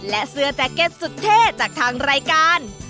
และเสื้อแจ็คเก็ตสุดเท่จากทางรายการ